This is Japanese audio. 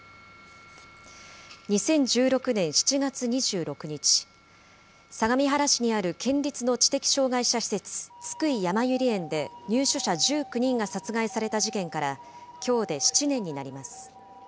２０１６年７月２６日、相模原市にある県立の知的障害者施設、津久井やまゆり園で入所者１９人が殺害された事件からきょうで７年になります。